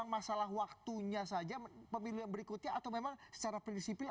masalah waktunya saja pemilihan berikutnya atau memang secara prinsipal